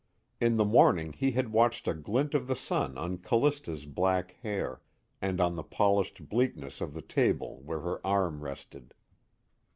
In the morning he had watched a glint of the sun on Callista's black hair, and on the polished bleakness of the table where her arm rested.